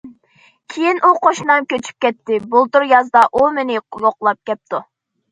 كېيىن ئۇ قوشنام كۆچۈپ كەتتى، بۇلتۇر يازدا ئۇ مېنى يوقلاپ كەپتۇ.